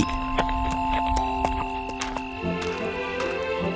aku akan pergi